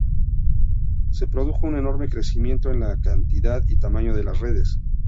Se produjo un enorme crecimiento en la cantidad y tamaño de las redes.